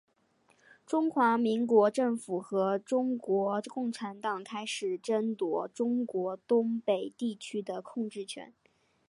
中华民国政府和中国共产党开始争夺中国东北地区的控制权。